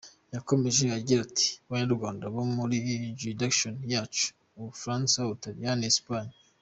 Yakomeje agira ati “ Banyarwanda bo muri ‘Juridiction’ yacu: u Bufaransa, u Butaliyani, Espagne.